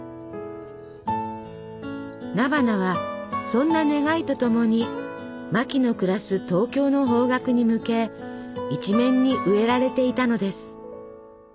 菜花はそんな願いとともにマキの暮らす東京の方角に向け一面に植えられていたのです。